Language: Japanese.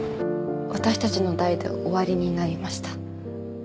私たちの代で終わりになりました